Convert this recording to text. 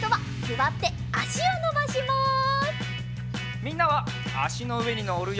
みんなはあしのうえにのるよ。